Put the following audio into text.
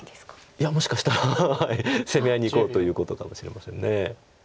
いやもしかしたら攻め合いにいこうということかもしれません。